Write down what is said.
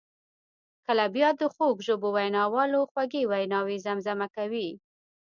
کله بیا د خوږ ژبو ویناوالو خوږې ویناوي زمزمه کوي.